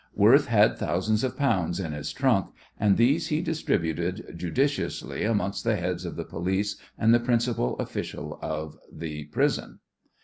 Worth had thousands of pounds in his trunk, and these he distributed judiciously amongst the heads of the police and the principal official of the prison.